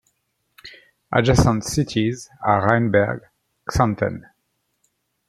Adjacent cities are Rheinberg, Xanten.